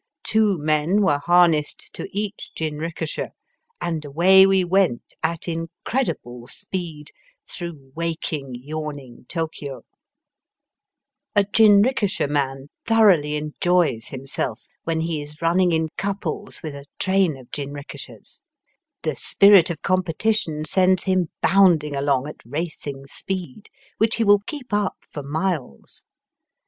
Two men were harnessed to each jinrikisha, and away we went at incre dible speed through waking, yawning Tokio. Digitized by VjOOQIC ACBOSS COUNTRY IN JINRIKISHAS. 236 A jinrikisha man thoroughly enjoys him self when he is running in couples with a train of jinrikishas. The spirit of competition sends him hounding along at racing speed, which he will keep up for miles.